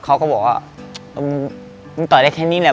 เขาก็บอกว่ามึงต่อยได้แค่นี้แหละ